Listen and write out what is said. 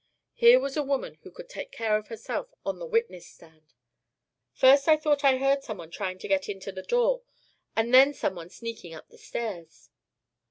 Here was a woman who could take care of herself on the witness stand. "First I thought I heard some one trying to get into the door, and then some one sneaking up the stairs."